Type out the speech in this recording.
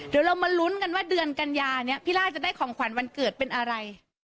เดี๋ยวเรามาลุ้นกันว่าเดือนกัญญานี้พี่ล่าจะได้ของขวัญวันเกิดเป็นอะไร